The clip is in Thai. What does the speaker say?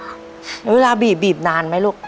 แล้วเวลาบีบนานไหมลูก